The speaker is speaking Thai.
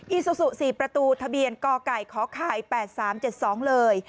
อซูซู๔ประตูทะเบียนกไก่ขไข่๘๓๗๒เลย